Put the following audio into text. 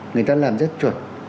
người ta làm rất chuẩn